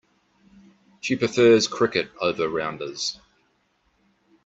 She prefers cricket over rounders.